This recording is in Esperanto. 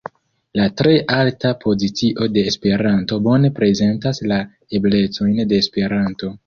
La tre alta pozicio de Esperanto bone prezentas la eblecojn de Esperanto.